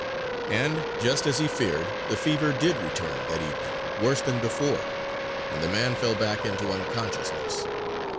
And, just as he feared, the fever did return that evening worse than before; and the man fell back into unconsciousness.